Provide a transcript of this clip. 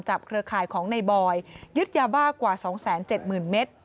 จับเครือข่ายของนายบอยยึดยาว่ากว่า๒๗๐๐๐๐เมตร